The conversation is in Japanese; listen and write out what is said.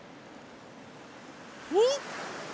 おっ！